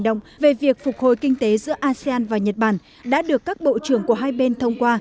động về việc phục hồi kinh tế giữa asean và nhật bản đã được các bộ trưởng của hai bên thông qua